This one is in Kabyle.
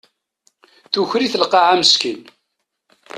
Tuker-it lqaɛa meskin.